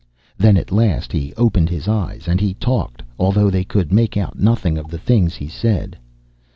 Then, at last, he opened his eyes. And he talked, although they could make out nothing of the things he said.